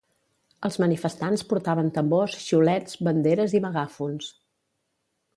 Els manifestants portaven tambors, xiulets, banderes i megàfons.